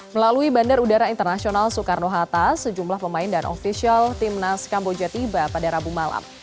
melalui bandar udara internasional soekarno hatta sejumlah pemain dan ofisial timnas kamboja tiba pada rabu malam